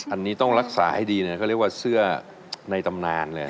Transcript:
อันนี้ต้องรักษาให้ดีนะเขาเรียกว่าเสื้อในตำนานเลย